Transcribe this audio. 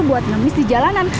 buat lemis di jalanan